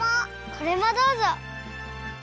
これもどうぞ。